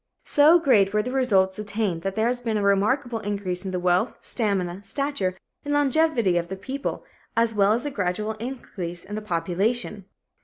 So great were the results obtained that there has been a remarkable increase in the wealth, stamina, stature and longevity of the people, as well as a gradual increase in the population.